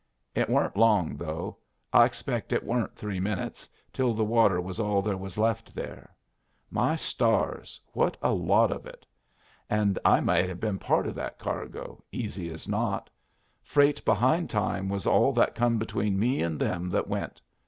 "It warn't long, though. I expect it warn't three minutes till the water was all there was left there. My stars, what a lot of it! And I might hev been part of that cargo, easy as not. Freight behind time was all that come between me and them that went.